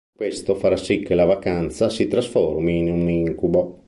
Questo farà sì che la vacanza si trasformi in un incubo.